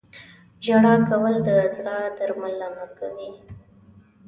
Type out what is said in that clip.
• ژړا کول د زړه درملنه کوي.